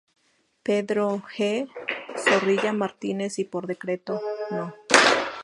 Pedro G. Zorrilla Martínez y por decreto No.